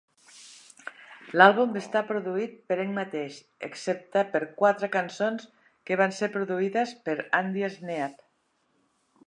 L"àlbum està produït per ell mateix, excepte per quatre cançons que van ser produïdes per Andy Sneap.